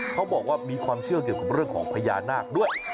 เขาบอกว่ามีความเชื่อเกี่ยวกับเรื่องของพญานาคด้วย